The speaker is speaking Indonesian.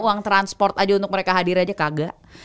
uang transport aja untuk mereka hadir aja kagak